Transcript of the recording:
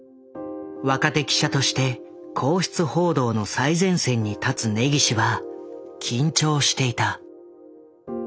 若手記者として皇室報道の最前線に立つ根岸は緊張していた。